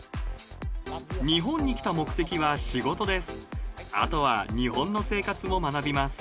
日本に来た目的は仕事です。